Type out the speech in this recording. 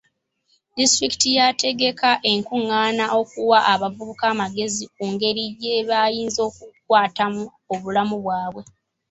Disitulikiti yategeka enkungaana okuwa abavubuka amagezi ku ngeri gye bayinza okukwatamu obulamu baabwe.